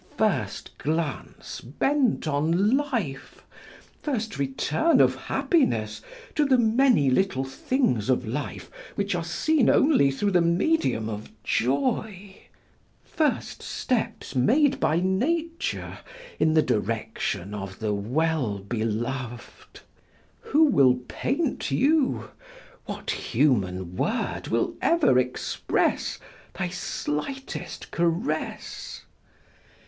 First glance bent on life, first return of happiness to the many little things of life which are seen only through the medium of joy, first steps made by nature in the direction of the well beloved! Who will paint you? What human word will ever express thy slightest caress?